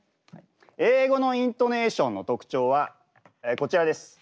英語のイントネーションの特徴はこちらです。